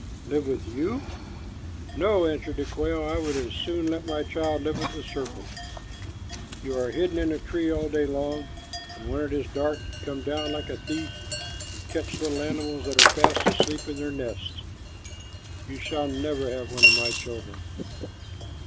"Live with you? No," answered the quail. "I would as soon let my child live with the serpent. You are hidden in the tree all day long, and when it is dark, you come down like a thief and catch little animals that are fast asleep in their nests. You shall never have one of my children."